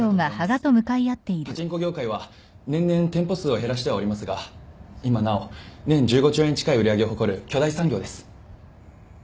パチンコ業界は年々店舗数を減らしてはおりますが今なお年１５兆円近い売り上げを誇る巨大産業です。